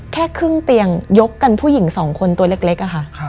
แค่ครึ่งเตียงยกกันผู้หญิงสองคนตัวเล็กอะค่ะ